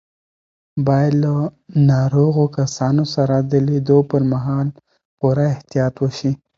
باید له ناروغو کسانو سره د لیدو پر مهال پوره احتیاط وشي.